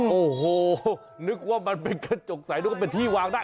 โอ้โหนึกว่ามันเป็นกระจกใสนึกว่าเป็นที่วางได้